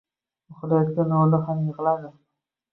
Uxlayotgan o‘g‘li ham yig‘ladi.